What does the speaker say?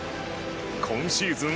今シーズン